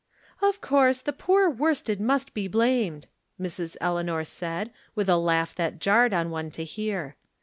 " Of course the poor worsted must be blamed," Mrs. Eleanor said, with a laugh that jarred on one to hear.